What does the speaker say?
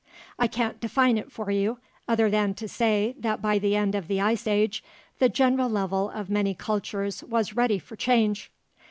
I can't define it for you, other than to say that by the end of the Ice Age, the general level of many cultures was ready for change.